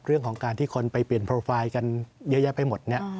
เรื่องของการที่คนไปเปลี่ยนโปรไฟล์กันเยอะแยะไปหมดเนี่ย